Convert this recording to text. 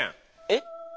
えっ？